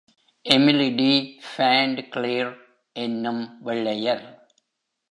எமிலிடி ஃபாண்ட்கிளேர் என்னும் வெள்ளையர்.